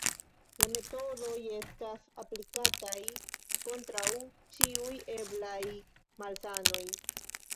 La metodoj estas aplikataj kontraŭ ĉiuj eblaj malsanoj.